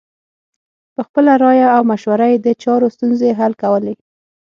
په خپله رایه او مشوره یې د چارو ستونزې حل کولې.